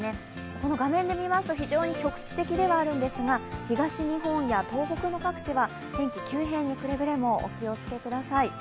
この画面で見ますと、非常に局地的ではあるんですが、東日本や東北の各地は天気急変にくれぐれもお気をつけください。